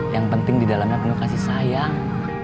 yang penting di dalamnya penuh kasih sayang